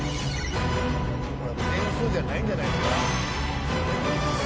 これ点数じゃないんじゃないですか。